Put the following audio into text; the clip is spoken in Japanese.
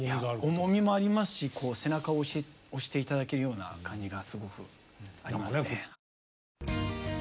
重みもありますし背中を押して頂けるような感じがすごくありますね。